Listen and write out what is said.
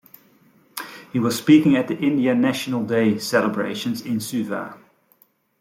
He was speaking at the India National Day celebrations in Suva.